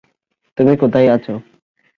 তুমি কোথায় আছো?